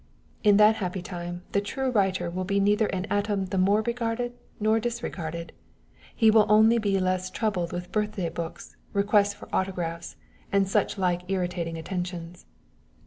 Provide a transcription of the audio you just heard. In that happy time the true writer will be neither an atom the more regarded nor disregarded; he will only be less troubled with birthday books, requests for autographs, and such like irritating attentions.